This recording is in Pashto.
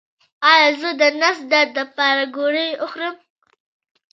ایا زه د نس درد لپاره ګولۍ وخورم؟